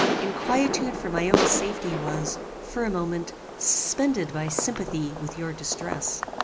Inquietude for my own safety was, for a moment, suspended by sympathy with your distress.